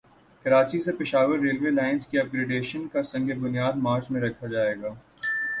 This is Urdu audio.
کراچی سے پشاور ریلوے لائن کی اپ گریڈیشن کا سنگ بنیاد مارچ میں رکھا جائے گا